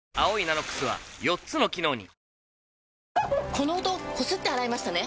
この音こすって洗いましたね？